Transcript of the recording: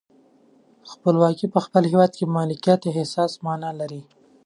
خپلواکي په خپل هیواد کې د مالکیت احساس معنا لري.